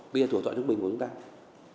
bây giờ tuổi dọa trung bình của chúng ta